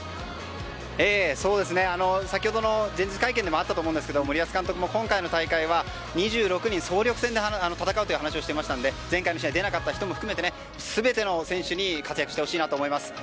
先ほどの前日会見でもあったと思うんですが森保監督も今回の大会は２６人総力戦で戦うと話してましたので前回の試合出れなかった人も含めて全ての選手に活躍してほしいと思います。